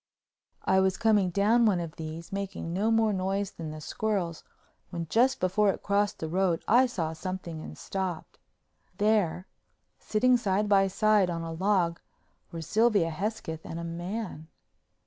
I was coming down one of these, making no more noise than the squirrels, when just before it crossed the road I saw something and stopped. There, sitting side by side on a log, were Sylvia Hesketh and a man.